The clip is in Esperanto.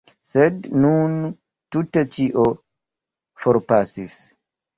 Sed nun tute ĉio forpasis.